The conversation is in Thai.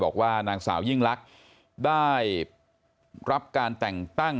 บอกว่านางสาวยิ่งลักษณ์ได้รับการแต่งตั้ง